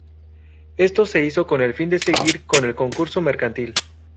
Esto se hizo con el fin de seguir con el concurso mercantil.